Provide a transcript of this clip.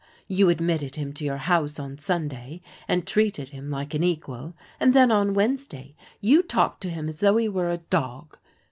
You admitted him to your house on Sunday, and treated him like an equal, and then on Wednesday you talked to him as though he were a dog.